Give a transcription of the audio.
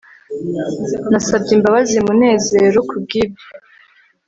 nasabye imbabazi munezero kubwibyo